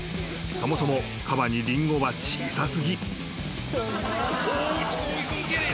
［そもそもカバにリンゴは小さ過ぎ］